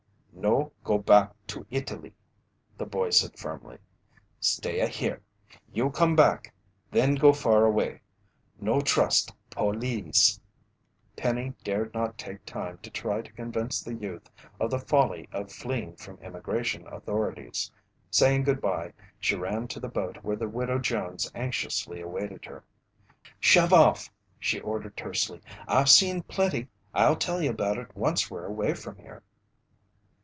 "No go back to Italy," the boy said firmly. "Stay a here you come back. Then go far away. No trust pol eese." Penny dared not take time to try to convince the youth of the folly of fleeing from Immigration authorities. Saying goodbye, she ran to the boat where the Widow Jones anxiously awaited her. "Shove off!" she ordered tersely. "I've seen plenty! I'll tell you about it, once we're away from here!"